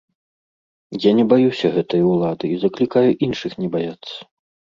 Я не баюся гэтай улады і заклікаю іншых не баяцца.